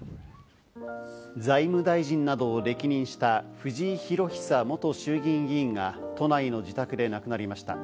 財務大臣などを歴任した藤井裕久元衆議院議員が都内の自宅で亡くなりました。